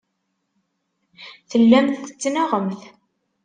Tellamt tettnaɣemt.